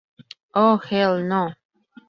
Oh, Hell No!".